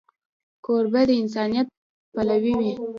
کوربه د انسانیت پلوی وي.